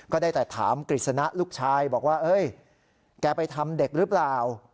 ก็ได้แต่ถามกฤษณะลูกชายบอกว่าเฮ้ยแกไปทำเด็กหรือเปล่า